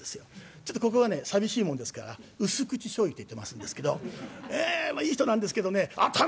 ちょっとここはね寂しいもんですから薄口しょうゆって言ってますんですけどええいい人なんですけどね頭のいい方なんですよ。